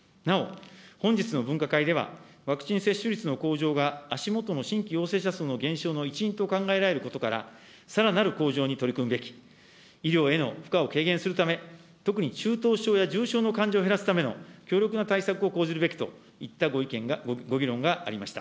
なお、本日の分科会ではワクチン接種率の向上が、足元の新規陽性者数の減少の一因と考えられることから、さらなる向上に取り組んでいく、医療への負荷を軽減するため、特に中等症や重症の患者を減らすための強力な対策を講じるべきといったご意見が、ご議論がありました。